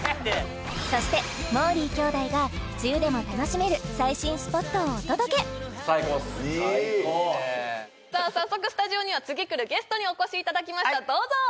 そしてもーりー兄弟が梅雨でも楽しめる最新スポットをお届けさあ早速スタジオには次くるゲストにお越しいただきましたどうぞ！